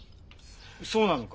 そうなのか？